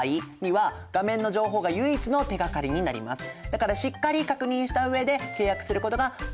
だからしっかり確認したうえで契約することが大切なんですね。